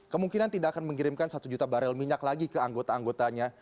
kemungkinan tidak akan mengirimkan satu juta barel minyak lagi ke anggota anggotanya